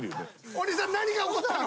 お兄さん何が起こったの？